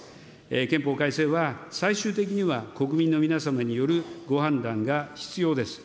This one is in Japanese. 憲法改正は最終的には国民の皆様によるご判断が必要です。